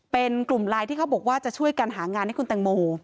เป็นกลุ่มไลน์ที่เขาบอกว่าจะช่วยกันหางานให้คุณแตงโม